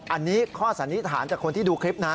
อันนี้ข้อสันนิษฐานจากคนที่ดูคลิปนะ